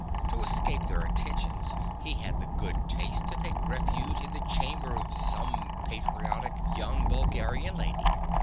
To escape their attentions, he had the good taste to take refuge in the chamber of some patriotic young Bulgarian lady.